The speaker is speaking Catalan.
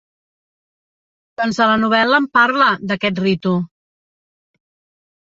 Doncs a la novel·la en parla, d'aquest ritu.